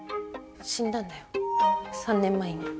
死んだんだよ３年前に。